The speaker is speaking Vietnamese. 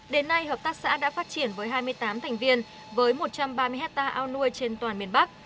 đến nay hợp tác xã đã phát triển với hai mươi tám thành viên với một trăm ba mươi hectare ao nuôi trên toàn miền bắc